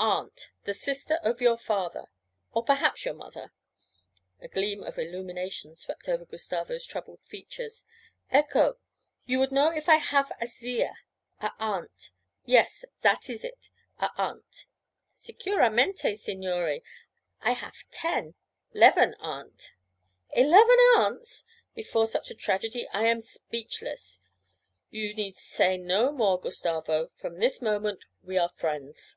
An aunt the sister of your father, or perhaps your mother.' A gleam of illumination swept over Gustavo's troubled features. 'Ecco! You would know if I haf a zia a aunt yes, zat is it. A aunt. Sicuramente, signore, I haf ten leven aunt.' 'Eleven aunts! Before such a tragedy I am speechless; you need say no more, Gustavo, from this moment we are friends.'